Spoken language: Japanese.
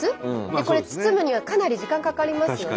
これ包むにはかなり時間かかりますよね。